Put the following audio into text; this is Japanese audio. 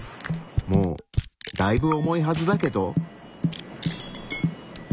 もうだいぶ重いはずだけど。